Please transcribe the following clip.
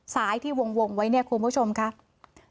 ที่วงไว้เนี่ยคุณผู้ชมครับ